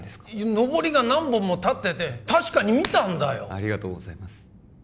のぼりが何本も立ってて確かに見たんだよありがとうございます